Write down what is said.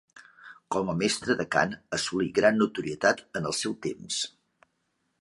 Com a mestre de cant assolí gran notorietat en el seu temps.